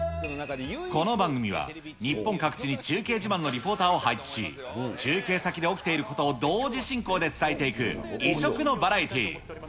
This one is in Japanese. この番組は、日本各地に中継自慢のリポーターを配置し、中継先で起きていることを同時進行で伝えていく異色のバラエティー。